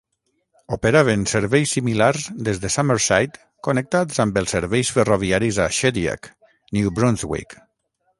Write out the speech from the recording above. Operaven serveis similars des de Summerside connectats amb els serveis ferroviaris a Shediac, New Brunswick.